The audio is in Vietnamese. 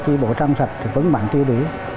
chi bộ trăm sạch vấn bản tiêu biểu